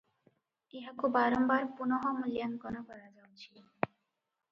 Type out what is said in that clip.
ଏହାକୁ ବାରମ୍ବାର ପୁନଃ ମୂଲ୍ୟାଙ୍କନ କରାଯାଉଛି ।